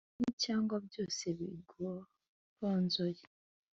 kimwe cyangwa byose byigoronzoye